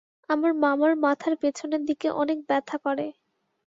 আমার মামার মাথার পিছনের দিকে অনেক ব্যথা করে।